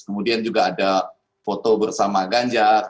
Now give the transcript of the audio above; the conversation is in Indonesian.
kemudian juga ada foto bersama ganjar